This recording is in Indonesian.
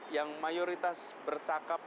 yang mayoritas bercakap